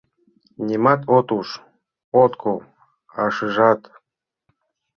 Нимат от уж, от кол, а шижат.